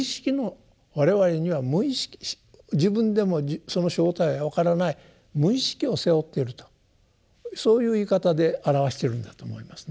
我々には無意識自分でもその正体は分からない無意識を背負ってるとそういう言い方で表してるんだと思いますね。